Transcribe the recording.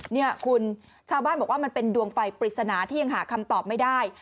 เนี่ยคุณชาวบ้านบอกว่ามันเป็นดวงไฟปริศนาที่ยังหาคำตอบไม่ได้